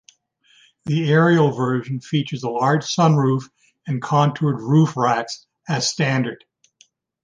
The Aerial version features a large sunroof and contoured roof racks as standard.